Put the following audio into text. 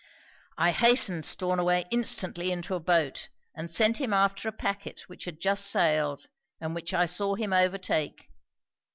'I hastened Stornaway instantly into a boat, and sent him after a pacquet which had just sailed, and which I saw him overtake.